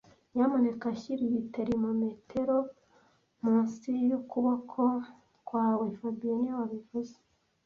Nyamuneka shyira iyi termometero munsi yukuboko kwawe fabien niwe wabivuze